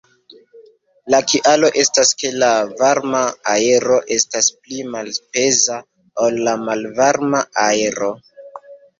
La kialo estas ke la varma aero estas pli malpeza ol la malvarma aero.